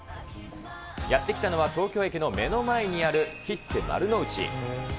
やって来たのは東京駅の目の前にあるキッテ丸の内。